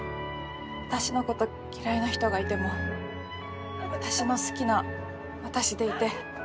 私のこと嫌いな人がいても私の好きな私でいて。